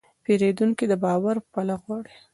پیرودونکی د باور پله غواړي.